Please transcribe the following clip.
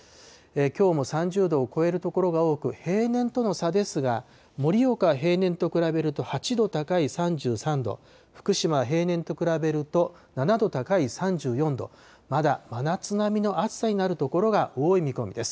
きょうも３０度を超える所が多く、平年との差ですが、盛岡は平年と比べると８度高い３３度、福島は平年と比べると７度高い３４度、まだ真夏並みの暑さになる所が多い見込みです。